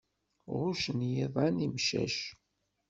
Ɣuccen yiḍan imcac.